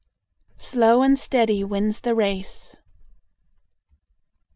Slow and steady wins the race.